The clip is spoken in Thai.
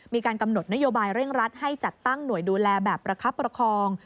มีการกำหนดนโยบายเร่งรัดให้จัดตั้งหน่วยดูแลแบบประคับประคอง